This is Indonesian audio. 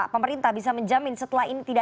pemerintah bisa menjamin setelah ini tidak